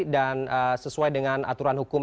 dan sesuai dengan aturan hukum